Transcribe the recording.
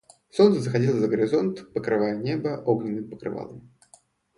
Солнце заходило за горизонт, покрывая небо огненным покрывалом.